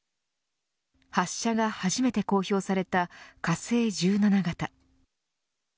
発射が初めて公表された火星１７型。